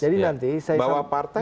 jadi nanti saya selesaikan dulu